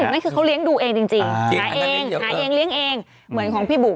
นั่นคือเขาเลี้ยงดูเองจริงหาเองหาเองเลี้ยงเองเหมือนของพี่บุ๋